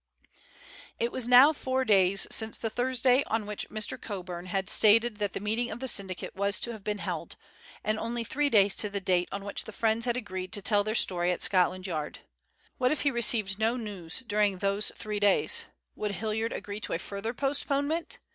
It was now four days since the Thursday on which Mr. Coburn had stated that the meeting of the syndicate was to have been held, and only three days to the date on which the friends had agreed to tell their story at Scotland Yard. What if he received no news during those three days? Would Hilliard agree to a further postponement?